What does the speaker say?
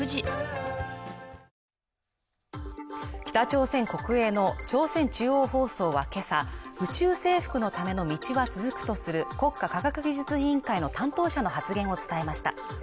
北朝鮮国営の朝鮮中央放送は今朝宇宙征服のための道は続くとする国家科学技術委員会の担当者の発言を伝えました